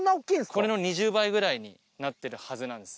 これの２０倍くらいになってるはずなんです。